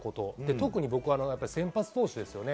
特に先発投手ですよね。